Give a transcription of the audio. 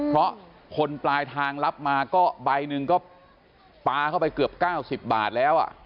เพราะคนปลายทางรับมาก็ใบหนึ่งก็ปลาเข้าไปเกือบเกือบเก้าสิบบาทแล้วอะ